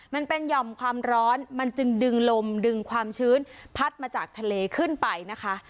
หย่อมความร้อนมันจึงดึงลมดึงความชื้นพัดมาจากทะเลขึ้นไปนะคะ